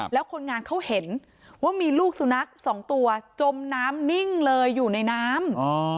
แล้วคนงานเขาเห็นว่ามีลูกสุนัขสองตัวจมน้ำนิ่งเลยอยู่ในน้ำ